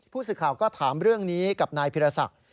ผู้สื่อข่าวก็ถามเรื่องนี้กับนายพิรศักดิ์